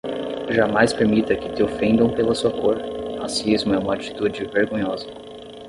Jamais permita que te ofendam pela sua cor, racismo é uma atitude vergonhosa